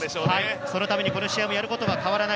そのためにこの試合もやることは変わらない。